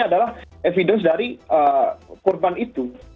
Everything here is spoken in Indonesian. adalah evidence dari korban itu